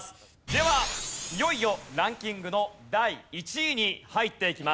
ではいよいよランキングの第１位に入っていきます。